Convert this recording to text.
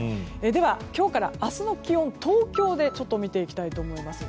では今日から明日の気温東京で見ていきたいと思います。